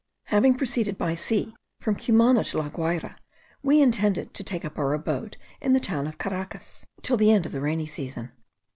Having proceeded by sea from Cumana to La Guayra, we intended to take up our abode in the town of Caracas, till the end of the rainy season.